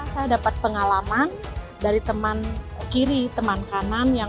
saya dapat pengalaman dari teman kiri teman kanan yang